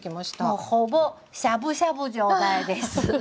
もうほぼしゃぶしゃぶ状態です。